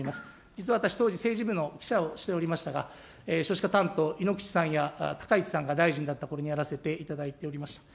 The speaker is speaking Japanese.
実は私、当時、政治部の記者をしていましたが、少子化担当、猪口さんや高市さんが大臣だったころにやらせていただいておりました。